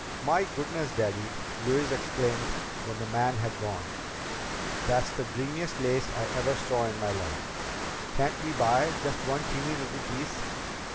"My goodness, Daddy!" Louise exclaimed when the man had gone. "That's the dreamiest lace I ever saw in my life. Can't we buy just one teeny little piece?